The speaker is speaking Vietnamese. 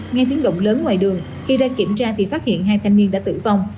nghe tiếng động lớn ngoài đường khi ra kiểm tra thì phát hiện hai thanh niên đã tử vong